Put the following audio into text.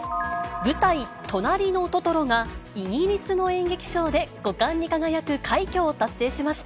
舞台、となりのトトロが、イギリスの演劇賞で５冠に輝く快挙を達成しました。